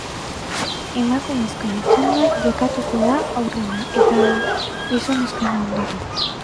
Emakumezkoen txanda jokatuko da aurrena eta gizonezkoena ondoren.